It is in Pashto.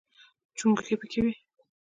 چونګښې پکې وي.